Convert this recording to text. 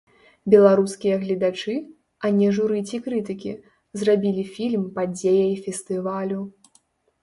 Беларускія гледачы, а не журы ці крытыкі, зрабілі фільм падзеяй фестывалю.